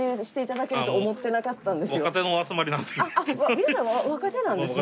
皆さん若手なんですね。